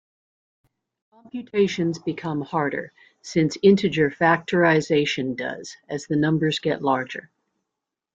Computations become harder, since integer factorization does, as the numbers get larger.